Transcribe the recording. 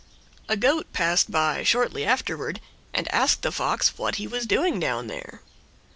A Goat passed by shortly afterward, and asked the Fox what he was doing down there.